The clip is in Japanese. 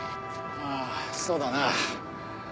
ああそうだな。